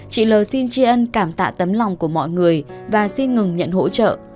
chị l xin tri ân cảm tạ tấm lòng của mọi người và xin ngừng nhận hỗ trợ